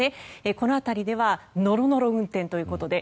この辺りではノロノロ運転ということで。